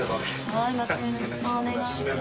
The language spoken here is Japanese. はいまたよろしくお願いします。